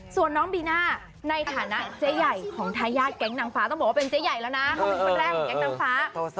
ส่วนน้องบีน่าในฐานะเจ๊ใหญ่ของทายาทแก๊งนางฟ้าต้องบอกว่าเป็นเจ๊ใหญ่แล้วนะเขาเป็นคนแรกของแก๊งนางฟ้า